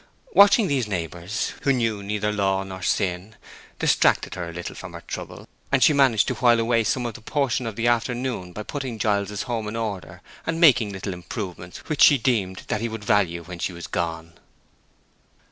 Watching these neighbors, who knew neither law nor sin, distracted her a little from her trouble; and she managed to while away some portion of the afternoon by putting Giles's home in order and making little improvements which she deemed that he would value when she was gone.